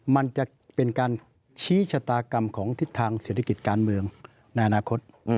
มันจะเป็นการชี้ชะตากรรมของทิศทางเศรษฐกิจการเมืองในอนาคต